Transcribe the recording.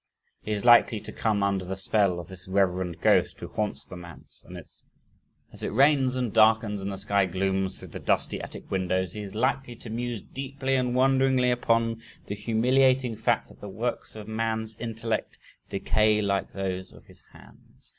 He is likely to come under the spell of this reverend Ghost who haunts the "Manse" and as it rains and darkens and the sky glooms through the dusty attic windows, he is likely "to muse deeply and wonderingly upon the humiliating fact that the works of man's intellect decay like those of his hands"